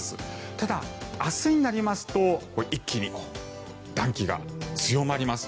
ただ、明日になりますと一気に暖気が強まります。